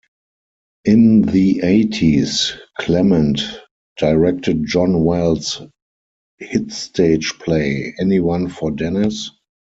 In the eighties Clement directed John Wells's hit stage play Anyone For Denis?